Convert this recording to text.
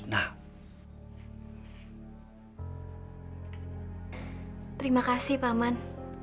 terima kasih paman